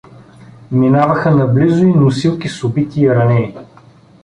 Минаваха наблизо и носилки с убити и ранени.